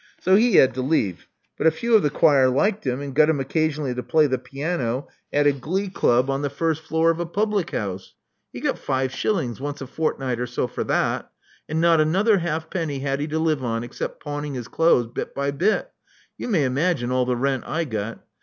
So he had to leave ; but a few of the choir liked him and got him occasionally to play the piano at a glee club on the 90 Love Among the Artists first floor of a public house. He got five shillings once a fortnight or so for that ; and not another half penny had he to live on except pawning his clothes bit by bit. You may imagine all the rent I got.